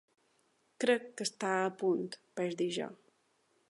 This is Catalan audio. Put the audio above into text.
"Crec que està a punt", vaig dir jo.